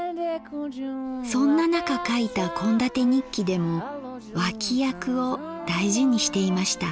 そんな中書いた献立日記でも「脇役」を大事にしていました。